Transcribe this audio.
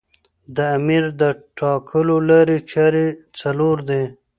د امیر د ټاکلو لاري چاري څلور دي.